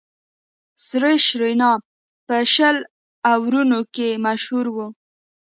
سریش رینا په شل آورونو کښي مشهور وو.